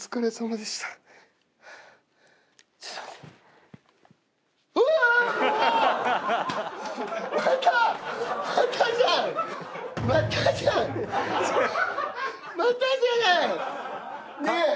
またじゃない！